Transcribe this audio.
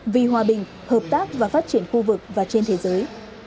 vì hòa bình hợp tác và phát triển khu vực và trên thế giới